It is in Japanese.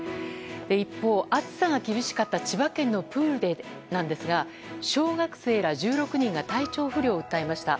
一方、暑さが厳しかった千葉県のプールでなんですが小学生ら１６人が体調不良を訴えました。